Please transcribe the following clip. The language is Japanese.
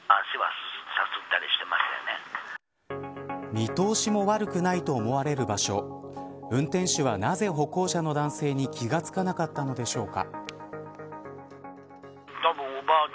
見通しも悪くないと思われる場所運転手はなぜ歩行者の男性に気がつかなかったのでしょうか。